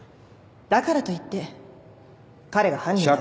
だからといって彼が犯人だとは。